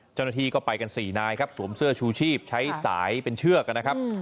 เจ้าหน้าที่ก็ไปกัน๔นายครับสวมเสื้อชูชีพใช้สายเป็นเชือกนะครับ